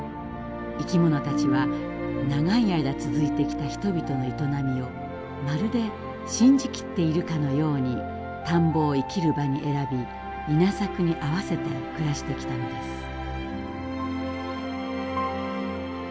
生き物たちは長い間続いてきた人々の営みをまるで信じきっているかのように田んぼを生きる場に選び稲作に合わせて暮らしてきたのです。